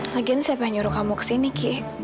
lagi ini siapa yang nyuruh kamu kesini ki